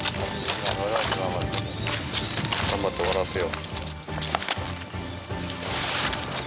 頑張って終わらせよう。